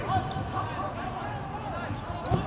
สวัสดีครับทุกคน